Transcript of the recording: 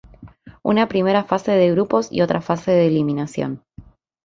Una primera fase de grupos y otra fase de eliminación.